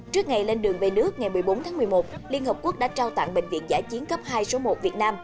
trước ngày lên đường về nước ngày một mươi bốn tháng một mươi một liên hợp quốc đã trao tặng bệnh viện giã chiến cấp hai số một việt nam